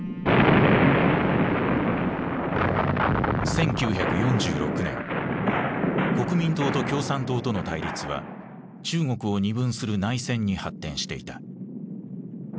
１９４６年国民党と共産党との対立は中国を二分する内戦に発展していた。